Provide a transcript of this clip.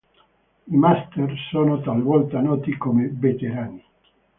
I "master" sono talvolta noti come "veterani".